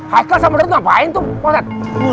haika sama donut ngapain tuh pak ustaz